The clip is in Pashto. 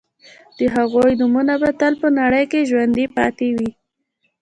د هغوی نومونه به تل په نړۍ کې ژوندي پاتې وي